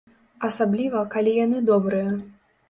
Асабліва, калі яны добрыя.